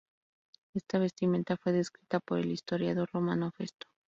Esta vestimenta fue descrita por el historiador romano Festo.